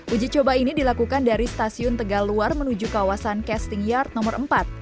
uji coba ini dilakukan dari stasiun tegal luar menuju kawasan casting yard nomor empat